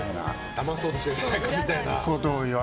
だまそうとしてるんじゃないかみたいな。